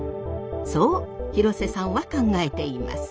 そう廣瀬さんは考えています。